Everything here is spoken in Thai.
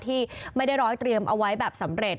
ที่ไม่ได้ร้อยเตรียมเอาไว้แบบสำเร็จ